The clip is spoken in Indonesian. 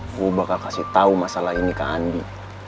gua bakal kasih tau masalah ini ke andi